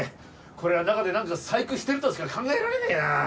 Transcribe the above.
こりゃ中でなんか細工してるとしか考えられねえな！